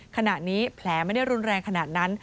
ขณะนี้แผลไม่ได้รุนแรงขนาดนั้น